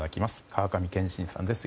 川上憲伸さんです。